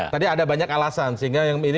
tadi ada banyak alasan sehingga yang ini